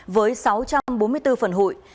với sáu trăm bốn mươi bốn phần hụi